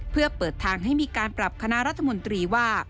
เพื่อเปิดทางให้มีการปรับคณะรัฐมนตรีว่า